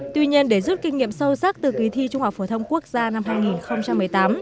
tuy nhiên để rút kinh nghiệm sâu sắc từ kỳ thi trung học phổ thông quốc gia năm hai nghìn một mươi tám